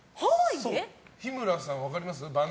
日村さん分かります？